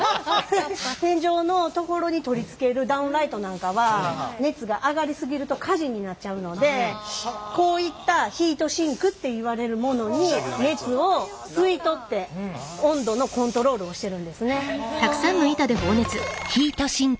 天井のところに取り付けるダウンライトなんかは熱が上がり過ぎると火事になっちゃうのでこういったヒートシンクっていわれるものに熱を吸い取って温度のコントロールをしてるんですね。